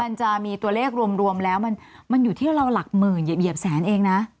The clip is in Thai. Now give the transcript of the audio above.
มันจะมีตัวเลขรวมแล้วมันอยู่ที่เราหลักหมื่นเหยียบแสนเองนะ